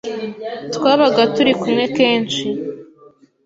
Twabaga turi kumwe kenshi,